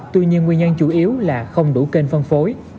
tuy nhiên nguyên nhân chủ yếu là không đủ kênh phân phối